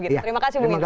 terima kasih bung indro